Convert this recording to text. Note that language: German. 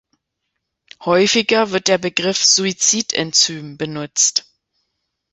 Häufiger wird der Begriff "Suizid-Enzym" benutzt.